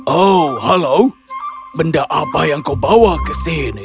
oh halo benda apa yang kau bawa ke sini